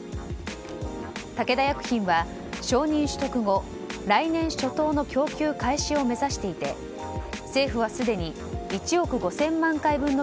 武田薬品は承認取得後来年初頭の供給開始を目指していて、政府はすでに１億５０００万回分の